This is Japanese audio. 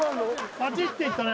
パチっていったね